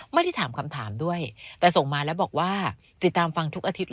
ไม่ได้ถามคำถามด้วยแต่ส่งมาแล้วบอกว่าติดตามฟังทุกอาทิตย